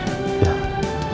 ya baik bu